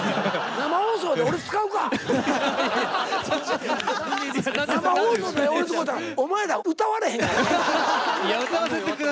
生放送で俺使たらお前ら歌われへんからな。